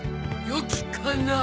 よきかな。